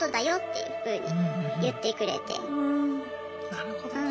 なるほどね。